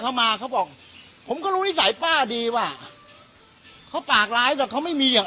เขาบอกมาเขาบอกผมก็รู้นิสัยป้าดีว่าเขาปากร้ายแต่เขาไม่มีอย่าง